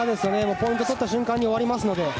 ポイントを取った瞬間に終わりますので。